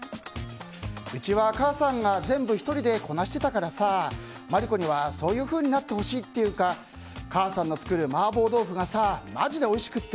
うちは母さんが全部１人でこなしてたからさ真理子には、そういうふうになってほしいっていうか母さんの作る麻婆豆腐がマジでおいしくって。